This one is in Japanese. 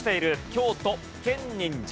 京都建仁寺。